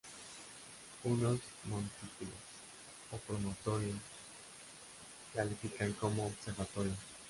Unos montículos o promontorios califican como observatorios.